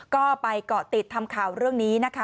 ก็ไปเกาะติดทำข่าวเรื่องนี้นะคะ